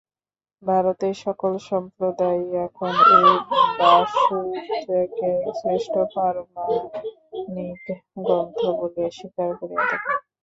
ভারতের সকল সম্প্রদায়ই এখন এই ব্যাসসূত্রকে শ্রেষ্ঠ প্রামাণিক গ্রন্থ বলিয়া স্বীকার করিয়া থাকে।